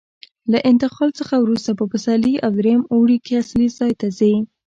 له انتقال څخه وروسته په پسرلي او درېیم اوړي کې اصلي ځای ته ځي.